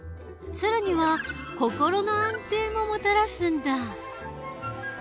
更には心の安定ももたらすんだ。